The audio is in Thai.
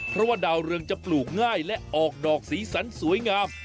เพราะว่าดาวเรืองจะปลูกง่ายและออกดอกสีสันสวยงาม